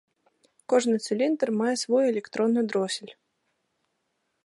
Кожны цыліндр мае свой электронны дросель.